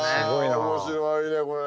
あ面白いねこれ。